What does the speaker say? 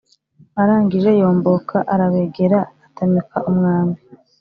arangije yomboka arabegera atamika umwambi